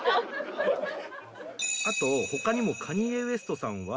あと他にもカニエ・ウェストさんは。